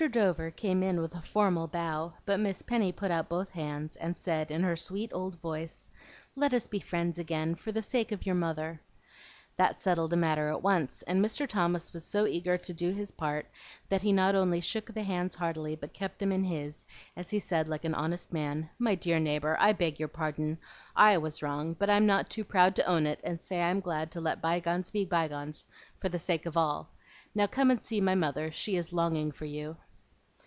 Dover came in with a formal bow, but Miss Penny put out both hands, and said in her sweet old voice, "Let us be friends again for the sake of your mother." That settled the matter at once, and Mr. Thomas was so eager to do his part that he not only shook the hands heartily, but kept them in his as he said like an honest man, "My dear neighbor, I beg your pardon! I was wrong, but I'm not too proud to own it and say I'm glad to let by gones be by gones for the sake of all. Now come and see my mother; she is longing for you."